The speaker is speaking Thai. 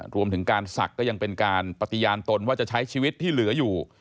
รวมถึงการศักดิ์ก็ยังเป็นการปฏิญาณตนว่าจะใช้ชีวิตที่เหลืออยู่